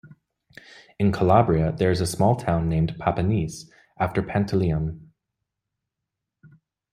In Calabria, there is small town named Papanice, after Pantaleon.